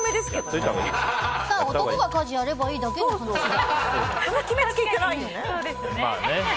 男が家事やればいいだけの話だ。